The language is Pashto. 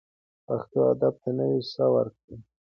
پښتو ادب ته نوې ساه ورکړئ.